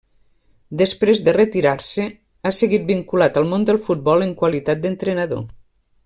Després de retirar-se, ha seguit vinculat al món del futbol en qualitat d'entrenador.